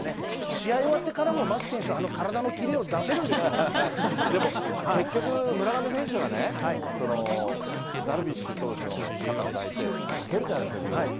試合終わってからも牧選手、でも結局、村上選手がね、ダルビッシュ投手の肩を抱いて、かけるじゃないですか、ビールを。